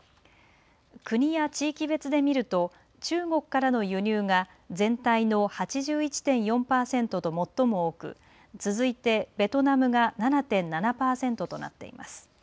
国や地域別で見ると中国からの輸入が全体の８１．４パーセントと最も多く続いてベトナムが７．７パーセントとなっています。